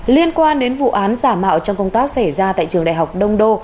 liên quan đến vụ án giả mạo trong công tác xảy ra tại trường đại học đông đô